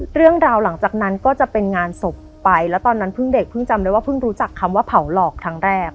หลังจากนั้นก็จะเป็นงานศพไปแล้วตอนนั้นเพิ่งเด็กเพิ่งจำได้ว่าเพิ่งรู้จักคำว่าเผาหลอกครั้งแรก